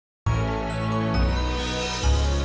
itu gue ngu wetak answered baar angles wilayah terkiri